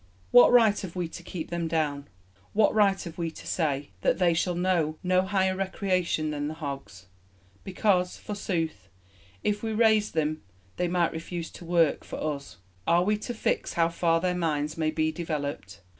"What right have we to keep them down? ... What right have we to say that they shall know no higher recreation than the hogs, because, forsooth, if we raised them they might refuse to work for us? Are we to fix how far their minds may be developed?